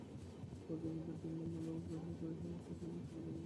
প্রতি ঘণ্টায় তিন লাখ ম্যালওয়্যার ব্যবহারকারীর কাছে যাচ্ছে বলে জানা গেছে।